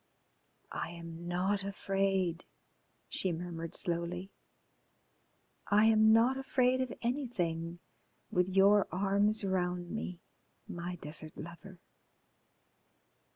"I am not afraid," she murmured slowly. "I am not afraid of anything with your arms round me, my desert lover.